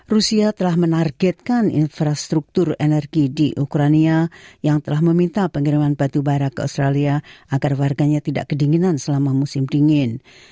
rusia telah menargetkan infrastruktur energi di ukrania yang telah meminta pengiriman batu bara ke australia agar warganya tidak kedinginan selama musim dingin